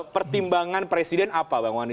pertimbangan presiden apa bang wani